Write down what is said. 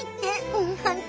うんほんと！